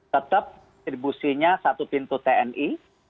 tetap distribusinya satu pintu tni